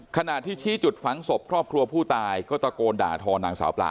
ขณะที่ชี้จุดฝังศพครอบครัวผู้ตายก็ตะโกนด่าทอนางสาวปลา